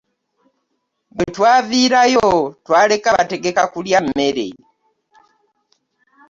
Bwe twaviirayo twaleka bategeka kulya mmere.